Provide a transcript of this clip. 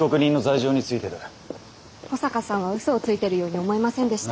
保坂さんはうそをついてるように思えませんでした。